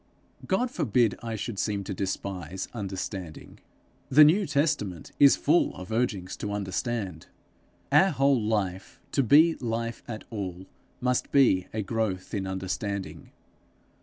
God forbid I should seem to despise understanding. The New Testament is full of urgings to understand. Our whole life, to be life at all, must be a growth in understanding.